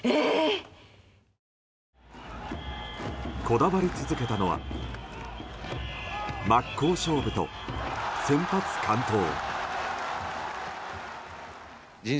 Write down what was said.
こだわり続けたのは真っ向勝負と先発完投。